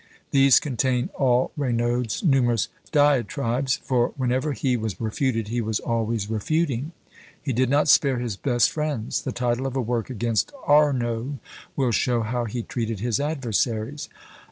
These contain all Raynaud's numerous diatribes; for whenever he was refuted, he was always refuting; he did not spare his best friends. The title of a work against Arnauld will show how he treated his adversaries.